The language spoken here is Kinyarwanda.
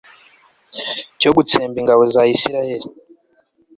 cyo gutsemba ingabo za israheli